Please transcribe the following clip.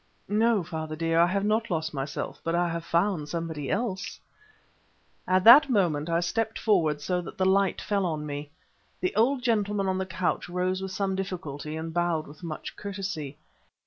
"No, father, dear, I have not lost myself, but I have found somebody else." At that moment I stepped forward so that the light fell on me. The old gentleman on the couch rose with some difficulty and bowed with much courtesy.